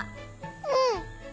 うん！